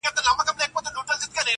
زه چي کله دېوانه سوم فرزانه سوم,